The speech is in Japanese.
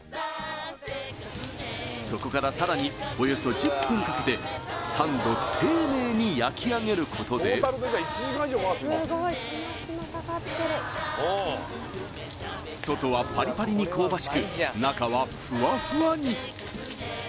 そこからさらにおよそ１０分かけて３度丁寧に焼き上げることで外はパリパリに香ばしく中はふわふわに！